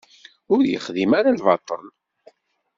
Ur yexdim ara lbaṭel.